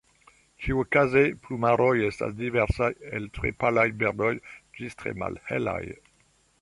Ĉiukaze plumaroj estas diversaj el tre palaj birdoj ĝis tre malhelaj.